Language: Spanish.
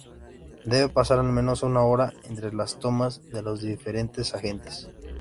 Debe pasar al menos una hora entre las tomas de los diferentes agentes.